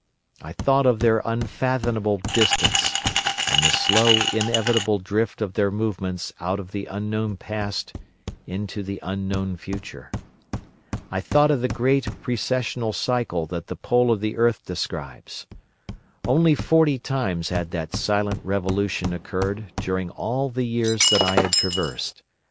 I thought of their unfathomable distance, and the slow inevitable drift of their movements out of the unknown past into the unknown future. I thought of the great precessional cycle that the pole of the earth describes. Only forty times had that silent revolution occurred during all the years that I had traversed.